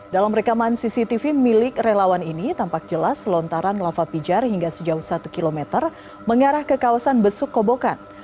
dalam rekaman cctv milik relawan ini tampak jelas lontaran lava pijar hingga sejauh satu km mengarah ke kawasan besuk kobokan